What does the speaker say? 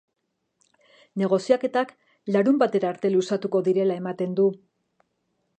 Negoziaketak larunbatera arte luzatuko direla ematen du.